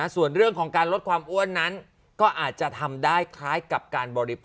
ซึ่งก็ต้องบอกว่า